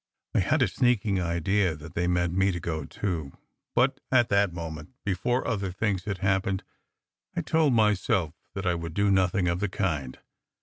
I had a sneaking idea that they meant me to go, too; but at that moment before other things had happened I told myself that I would do nothing of the kind.